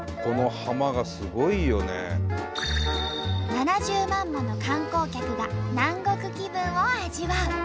７０万もの観光客が南国気分を味わう。